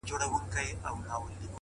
خاموش کار تر څرګندو خبرو ژور اغېز لري؛